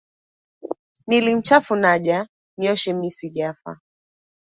Nili mchafu naja, Nioshe mi sijafa.